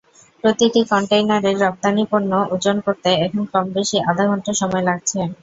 প্রতিটি কনটেইনারের রপ্তানি পণ্য ওজন করতে এখন কম-বেশি আধা ঘণ্টা সময় লাগছে।